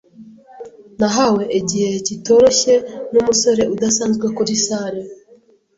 Nahawe igihe kitoroshye numusore udasanzwe kuri salle.